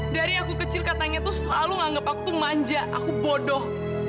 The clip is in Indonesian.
dari aku kecil katanya tuh selalu menganggap aku tuh manja aku bodoh